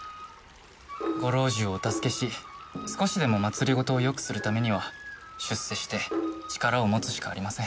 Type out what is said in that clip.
ご老中をお助けし少しでも政を良くするためには出世して力を持つしかありません。